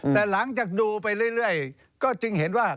แต่หลังจากดูไปเรื่อยก็จึงเห็นว่า